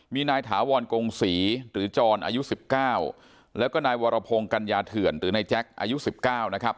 มีนายถาวรกงศรีถือจรอายุสิบเก้าแล้วก็นายวรพงศ์กัญญาเถื่อนถือในแจ๊กอายุสิบเก้านะครับ